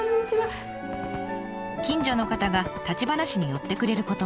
近所の方が立ち話に寄ってくれることも。